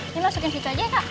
ini masukin situ aja ya kak